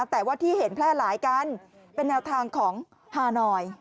แต่ว่าที่เห็นแพร่หลายกันเป็นแนวทางของฮานอย